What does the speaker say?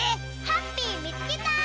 ハッピーみつけた！